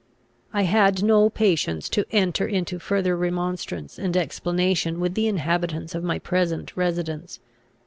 I had no patience to enter into further remonstrance and explanation with the inhabitants of my present residence.